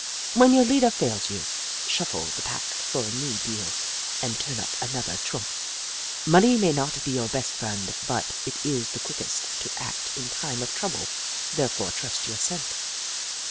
" When your leader fails you, shufifle the pack for a new deal and turn up another trump. " Money may not be your best friend, but it is the quickest to act in time of trouble. Therefore, trust your scent.